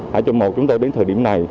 hãy chung mộ chúng tôi đến thời điểm này